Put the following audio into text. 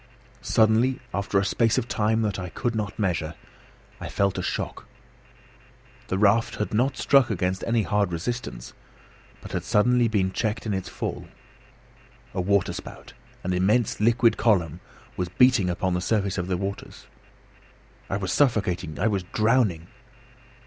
Suddenly, after a space of time that I could not measure, I felt a shock. The raft had not struck against any hard resistance, but had suddenly been checked in its fall. A waterspout, an immense liquid column, was beating upon the surface of the waters. I was suffocating! I was drowning!